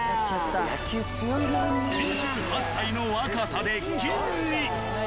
２８歳の若さで銀に！